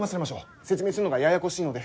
説明するのがややこしいので。